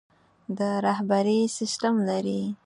د رهبري سسټم لري.